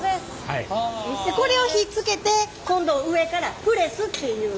これをひっつけて今度上からプレスっていう。